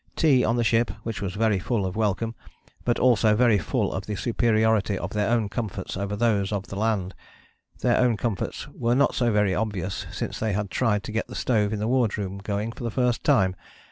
Tea on the ship, which was very full of welcome, but also very full of the superiority of their own comforts over those of the land. Their own comforts were not so very obvious, since they had tried to get the stove in the wardroom going for the first time.